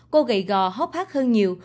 cô gậy gò hóp hát hơn nhiều